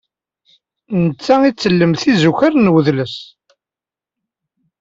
Netta ittellem tizukar n udles.